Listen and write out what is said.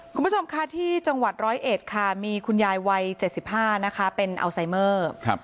คุณผู้ชมค่ะที่จังหวัดร้อยเอ็ดค่ะมีคุณยายวัย๗๕นะคะเป็นอัลไซเมอร์